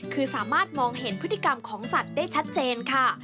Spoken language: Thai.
คือสามารถมองเห็นพฤติกรรมของสัตว์ได้ชัดเจนค่ะ